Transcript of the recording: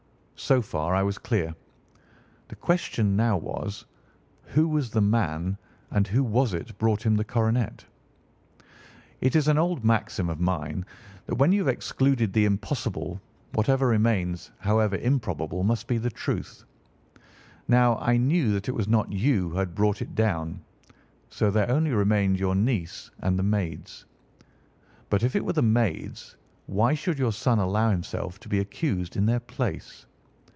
So far I was clear. The question now was, who was the man and who was it brought him the coronet? "It is an old maxim of mine that when you have excluded the impossible, whatever remains, however improbable, must be the truth. Now, I knew that it was not you who had brought it down, so there only remained your niece and the maids. But if it were the maids, why should your son allow himself to be accused in their place?